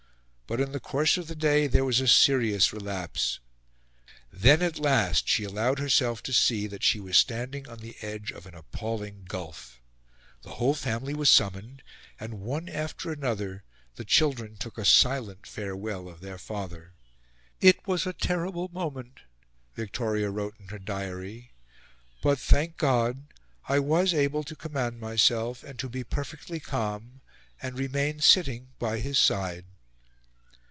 But in the course of the day there was a serious relapse. Then at last she allowed herself to see that she was standing on the edge of an appalling gulf. The whole family was summoned, and, one after another, the children took a silent farewell of their father. "It was a terrible moment," Victoria wrote in her diary, "but, thank God! I was able to command myself, and to be perfectly calm, and remained sitting by his side."